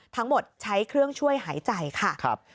ทั้งหมดใช้เครื่องช่วยหายใจค่ะ